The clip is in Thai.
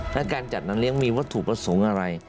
และการจัดงานเลี้ยงมีวัตถุประสงค์อะไร